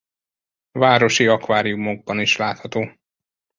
Városi akváriumokban is látható.